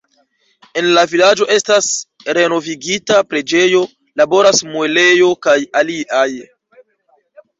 En la vilaĝo estas renovigita preĝejo, laboras muelejo kaj aliaj.